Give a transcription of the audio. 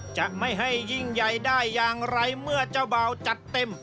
จะไม่ให้ยิ่งใหญ่ได้อย่างไรเมื่อเจ้าบ่าวจัดเต็ม